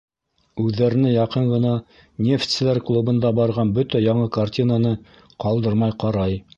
Үҙҙәренә яҡын ғына Нефтселәр клубында барған бөтә яңы картинаны ҡалдырмай ҡарай.